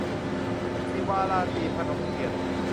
ศิวาราตรี - พนมเทียน